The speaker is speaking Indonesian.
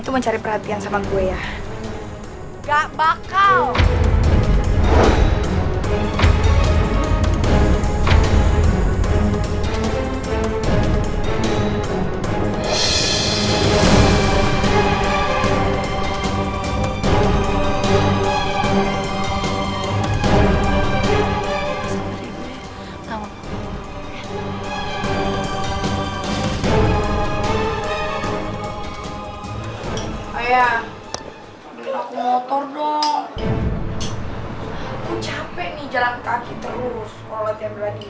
gue capek nih jalan kaki terus kalo liat yang beladih